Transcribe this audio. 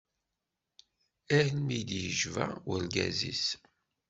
Almi i d-yejba urgaz-is.